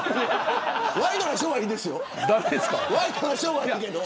ワイドナショーはいいですけど。